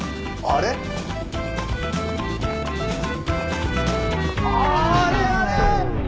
あれあれ！？